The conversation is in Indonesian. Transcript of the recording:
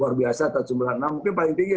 luar biasa tersebut mungkin paling tinggi